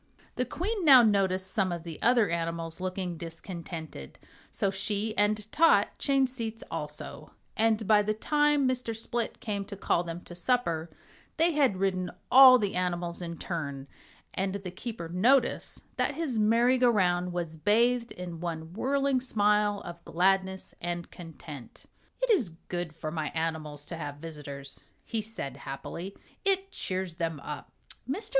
The Queen now noticed some of the other animals looking discontented, so she and Tot changed seats also, and by the time Mr. Split came to call them to supper they had ridden all the animals in turn, and the keeper noticed that his merry go round was bathed in one whirling smile of gladness and content. "It is good for my animals to have visitors," he said, happily, "it cheers them up." Mr.